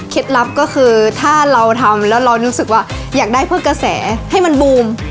ลับก็คือถ้าเราทำแล้วเรารู้สึกว่าอยากได้เพื่อกระแสให้มันบูม